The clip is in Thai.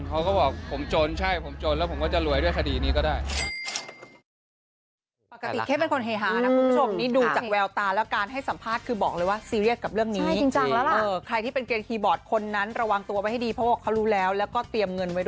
เขาก็บอกผมจนใช่ผมจนแล้วผมก็จะรวยด้วยคดีนี้ก็ได้